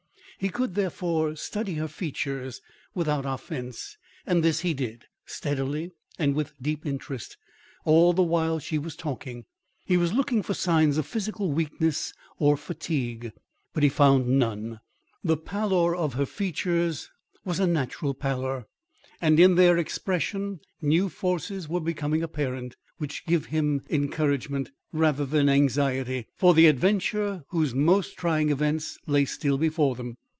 He could, therefore, study her features, without offence, and this he did, steadily and with deep interest, all the while she was talking. He was looking for signs of physical weakness or fatigue; but he found none. The pallor of her features was a natural pallor, and in their expression, new forces were becoming apparent, which give him encouragement, rather than anxiety, for the adventure whose most trying events lay still before them.